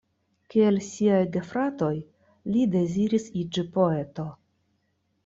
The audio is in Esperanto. Kiel siaj gefratoj, li deziris iĝi poeto.